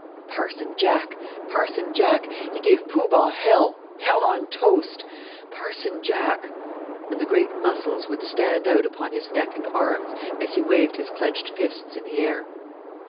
Parson Jack, Parson Jack he gave Poo Bah hell hell on toast! Parson Jack!" And the great muscles would stand out upon his neck and arms as he waved his clenched fists in the air.